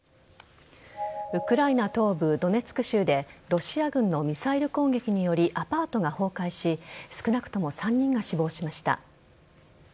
ウクライナ東部・ドネツク州でロシア軍のミサイル攻撃によりアパートが崩壊し少なくとも３人が死亡しました。